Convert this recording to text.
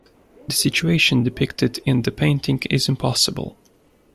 The situation depicted in the painting is impossible.